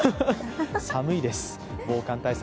寒いです、防寒対策